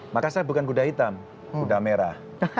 maka saya bukan kuda hitam kuda merah